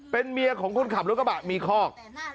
เป็นเมียของคนขับรถกระบะมีคอก